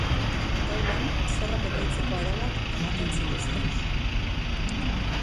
Taulan zorrak epaitzeko arauak ematen zituzten.